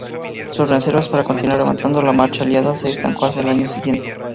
Sin reservas para continuar avanzando, la marcha aliada se estancó hasta el año siguiente.